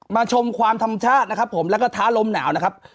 ชมความธรรมชาตินะครับผมแล้วก็ท้าลมหนาวนะครับ